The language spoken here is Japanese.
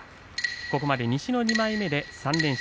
ここまで西の２枚目で３連勝。